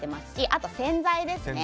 あと洗剤ですね。